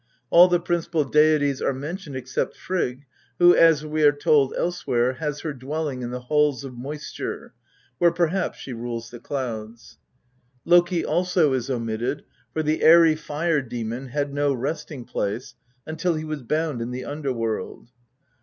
All the principal deities are mentioned except Frigg, who, as we are told elsewhere, has her dwelling in the " Halls of Moisture," where perhaps she rules the clouds. Loki also is omitted, for the airy fire demon had no resting place until he was bound in the underworld.